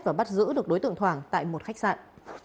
và bắt giữ được đối tượng thoảng tại một khách sạn